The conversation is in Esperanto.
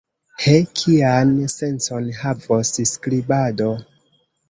He, kian sencon havos skribado!